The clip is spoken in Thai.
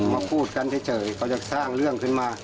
พูดกันเฉยเขาจะสร้างเรื่องขึ้นมา